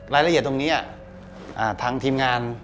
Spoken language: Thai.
รายละเอียดตรงนี้ทางทีมงาน